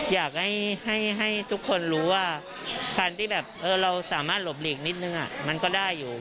อยากให้ทุกคนรู้ว่าคันที่แบบเราสามารถหลบหลีกนิดนึงมันก็ได้อยู่